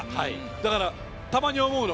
だから、たまに思うの。